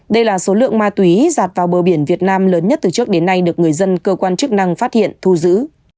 đây là số lượng ma túy giạt vào bờ biển việt nam lớn nhất từ trước đến nay được người dân cơ quan chức năng phát hiện thu giữ